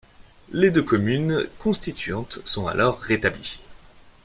Les deux communes constituantes sont alors rétablies.